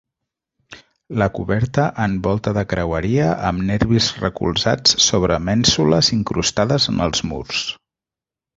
La coberta en volta de creueria amb nervis recolzats sobre mènsules incrustades en els murs.